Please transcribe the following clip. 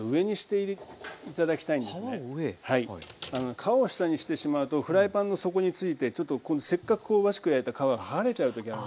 皮を下にしてしまうとフライパンの底についてちょっとせっかく香ばしく焼いた皮が剥がれちゃう時あるんですよ。